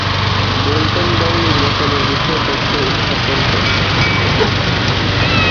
Bolton দল নির্বাচনের বিষয়ে প্রশ্ন উত্থাপন করেন।